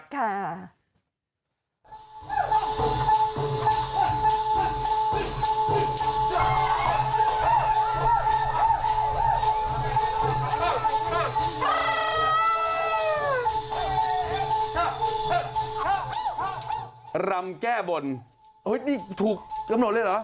รำแก้บนนี่ถูกกำหนดเลยเหรอ